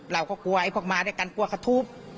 เราก็กลัวไอ้พวกมาด้วยกันกลัวเขาทุบ